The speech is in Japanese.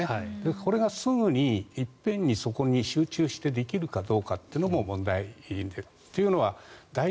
これがすぐにいっぺんにそこに集中してできるかというのも問題。